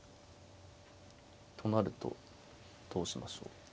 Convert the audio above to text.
となるとどうしましょう。